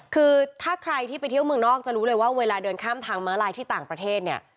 คือถ้าใครที่ไปเที่ยวเมืองนอกจะรู้เลยว่าเวลาเดินข้ามทางม้าลายที่ต่างประเทศเนี่ย